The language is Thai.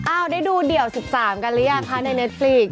ได้ดูเดี่ยว๑๓กันหรือยังคะในเน็ตฟลีก